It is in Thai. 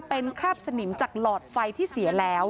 เป็นคราบสนิมจากหลอดไฟที่เสียแล้ว